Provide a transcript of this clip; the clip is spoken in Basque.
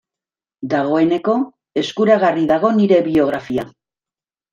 Dagoeneko eskuragarri dago nire biografia.